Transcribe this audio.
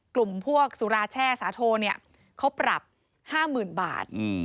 กลุ่มพวกสุราแช่สาโทเนี่ยเขาปรับ๕๐๐๐บาท